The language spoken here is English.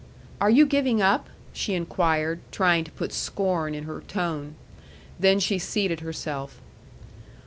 "Are you giving up?" she inquired, trying to put scorn in her tone. Then she seated herself.